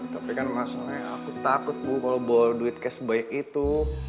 tapi kan maksudnya aku takut bu kalo bawa duit kaya sebaik itu